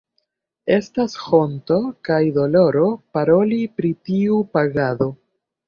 Estas honto kaj doloro paroli pri tiu pagado.